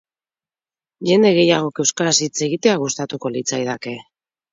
Jende gehiagok euskaraz hitz egitea gustatuko litzaidake.